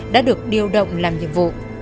đã được điều động làm nhiệm vụ